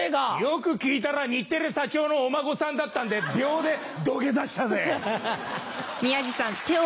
よく聞いたら日テレ社長のお孫さんだったんで秒で土下座したぜ。